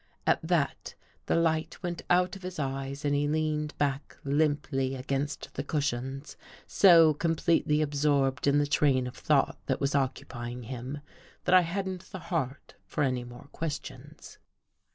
At that the light went out of his eyes and he leaned back limply against the cushions, so com pletely absorbed in the train of thought that was occupying him, that I hadn't the heart for any more questions.